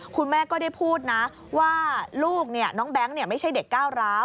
คุณแม่ก็ได้พูดนะว่าลูกน้องแบงค์ไม่ใช่เด็กก้าวร้าว